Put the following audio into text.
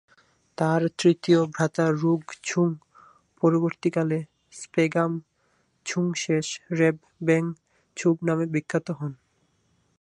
তার তৃতীয় ভ্রাতা রোগ-ছুং পরবর্তীকালে স্গোম-ছুং-শেস-রাব-ব্যাং-ছুব নামে বিখ্যাত হন।